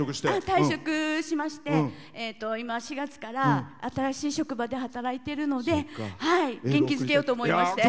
退職しまして、今、４月から新しい職場で働いているので元気づけようと思いまして。